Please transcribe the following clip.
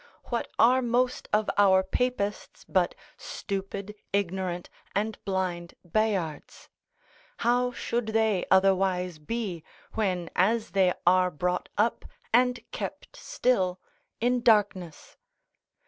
What are most of our papists, but stupid, ignorant and blind bayards? how should they otherwise be, when as they are brought up and kept still in darkness?